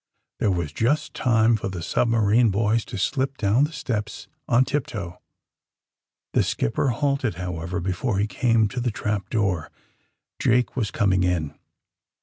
There was just time for the subm^arine bo^^s to slip down the steps on tip toe. The skipper halted, however, before he came to the trap door. Jake was coming in.